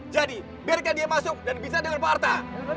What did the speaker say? jadi biarkan dia masuk dan bicara dengan pak harta